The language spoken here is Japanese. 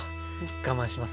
我慢します。